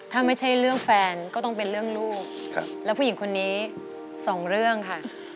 ถ้าไม่ใช่เรื่องแฟนก็ต้องเป็นเรื่องลูกแล้วผู้หญิงคนนี้สองเรื่องค่ะ